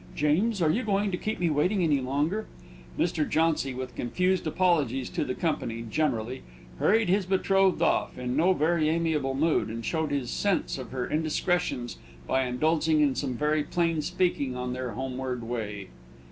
James, are you going to keep me waiting any longer?" Mr. Jauncy, with confused apologies to the company generally, hurried his betrothed off, in no very amiable mood, and showed his sense of her indiscretions by indulging in some very plain speaking on their homeward way.